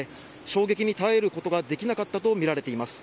衝撃に耐えることができなかったとみられています。